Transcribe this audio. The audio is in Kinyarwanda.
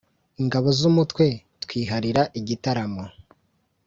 Ingabo z'umutwe twiharira igitaramo